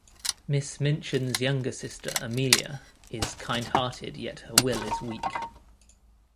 Miss Minchin's younger sister, Amelia, is kindhearted yet her will is weak.